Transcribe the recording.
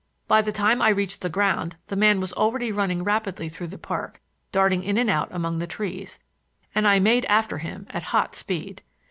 By the time I reached the ground the man was already running rapidly through the park, darting in and out among the trees, and I made after him at hot speed.